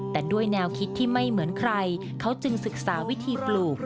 แต่ด้วยแนวคิดที่ไม่เหมือนใครเขาจึงศึกษาวิธีปลูก